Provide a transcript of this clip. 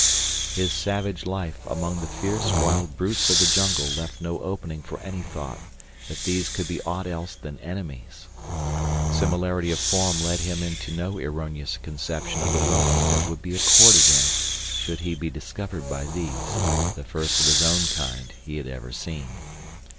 His savage life among the fierce wild brutes of the jungle left no opening for any thought that these could be aught else than enemies. Similarity of form led him into no erroneous conception of the welcome that would be accorded him should he be discovered by these, the first of his own kind he had ever seen.